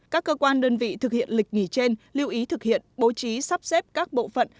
các cơ quan đơn vị thực hiện lịch nghỉ trên lưu ý thực hiện bố trí sắp xếp các bộ phận